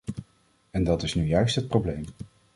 En dat is nu juist het probleem.